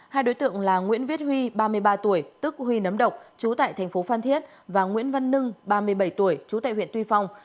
hai đối tượng là nguyễn viết huy ba mươi ba tuổi tức huy nấm độc chú tại thành phố phan thiết và nguyễn văn nưng ba mươi bảy tuổi trú tại huyện tuy phong